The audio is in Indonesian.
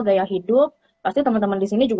gaya hidup pasti teman teman di sini juga